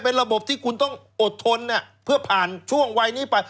เป็นระบบที่คุณต้องอดทนเพื่อผ่านช่วงวัยนี้ไป